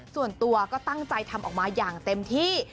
ส่วนตัวก็ตั้งใจทำออกมาอย่างเต็มที่